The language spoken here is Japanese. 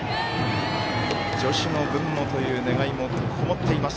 女子の分もという願いもこもっています。